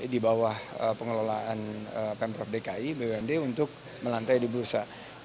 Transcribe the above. di bawah pengelolaan pemprov dki bumd untuk melantai di bursa